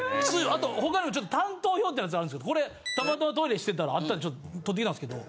・あと他のちょっと担当表ってやつあるんですけどこれたまたまトイレしてたらあったんで撮ってきたんですけど。